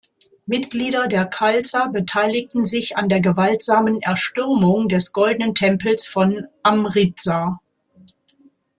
Mitglieder der Khalsa beteiligten sich an der gewaltsamen Erstürmung des Goldenen Tempels von Amritsar.